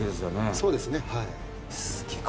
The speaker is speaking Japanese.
そうです。